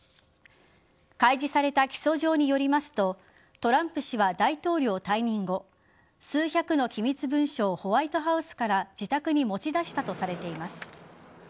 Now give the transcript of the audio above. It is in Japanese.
開示された起訴状によりますとトランプ氏は大統領退任後数百の機密文書をホワイトハウスから自宅に持ち出したとされています。